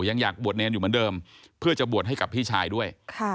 ยังอยากบวชเนรอยู่เหมือนเดิมเพื่อจะบวชให้กับพี่ชายด้วย